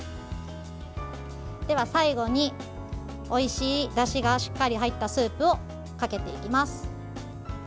では最後に、おいしいだしがしっかり入ったスープをかけていきます。